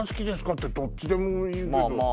ってどっちでもいいけど。